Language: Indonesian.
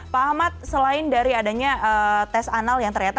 pak ahmad selain dari adanya tes anal yang ternyata